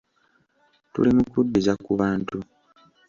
Tuli mu kuddiza ku bantu.